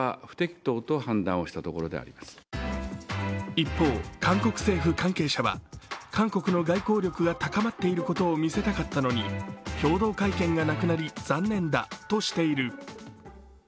一方、韓国政府関係者は韓国の外交力が高まっていることを見せたかったのに共同会見がなくなり残念だとしている。